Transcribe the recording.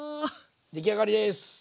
出来上がりです。